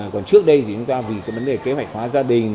còn trước đây thì chúng ta vì cái vấn đề kế hoạch hóa gia đình